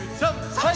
はい！